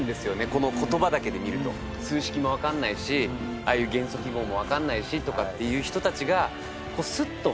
この言葉だけで見ると数式もわかんないしああいう元素記号もわかんないしとかって言う人たちがこうスッと